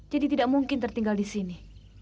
jadi tidak mungkin tertinggal di sini